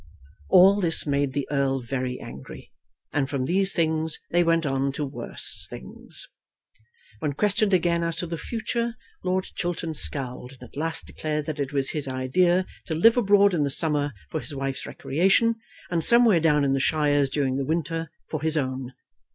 All this made the Earl very angry, and from these things they went on to worse things. When questioned again as to the future, Lord Chiltern scowled, and at last declared that it was his idea to live abroad in the summer for his wife's recreation, and somewhere down in the shires during the winter for his own.